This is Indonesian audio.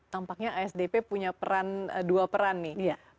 tampaknya asdp punya peran dua peran nih